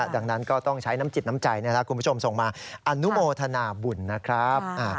ดังนั้นก็ต้องใช้น้ำจิตน้ำใจคุณผู้ชมส่งมาอนุโมทนาบุญนะครับ